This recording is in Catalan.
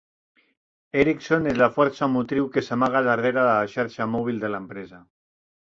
Ericsson és la força motriu que s'amaga darrere la xarxa mòbil de l'empresa.